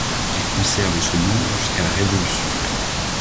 Il conserve ce nom jusqu'à la Révolution.